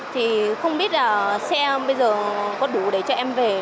thì không biết là xe bây giờ có đủ để cho em về